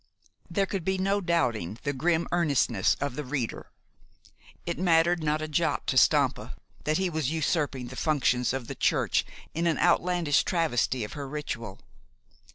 There could be no doubting the grim earnestness of the reader. It mattered not a jot to Stampa that he was usurping the functions of the Church in an outlandish travesty of her ritual.